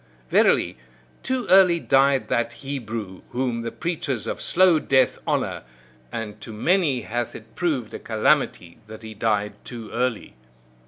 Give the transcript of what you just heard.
Verily, too early died that Hebrew whom the preachers of slow death honour: and to many hath it proved a calamity that he died too early.